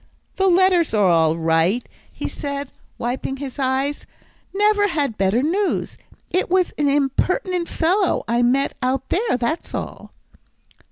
"The letters are all right," he said, wiping his eyes, "never had better news. It was an impertinent fellow I met out there, that's all."